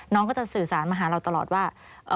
น้องก็จะสื่อสารมาหาเราตลอดว่า